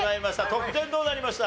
得点どうなりました？